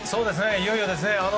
いよいよですね。